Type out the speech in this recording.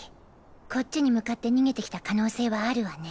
こっちに向かって逃げてきた可能性はあるわね。